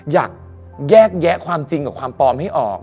อยากแยกแยะความจริงกับความปลอมให้ออก